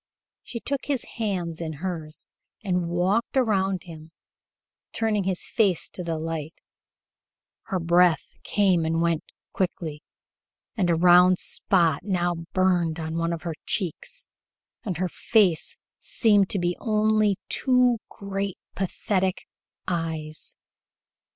She took his hands in hers and walked around him, turning his face to the light. Her breath came and went quickly, and a round red spot now burned on one of her cheeks, and her face seemed to be only two great, pathetic eyes.